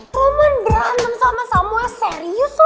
roman berantem sama samuel serius lo